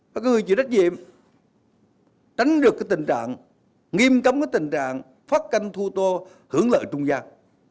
các người chỉ trách nhiệm tránh được cái tình trạng nghiêm cấm cái tình trạng phát canh thu tô hưởng lợi trung gian